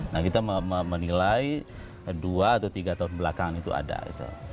nah kita menilai dua atau tiga tahun belakangan itu ada gitu